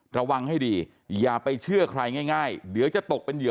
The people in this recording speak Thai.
ระวังให้ดีอย่าไปเชื่อใครง่ายเดี๋ยวจะตกเป็นเหยื่อ